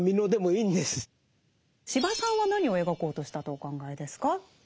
司馬さんは何を描こうとしたとお考えですか？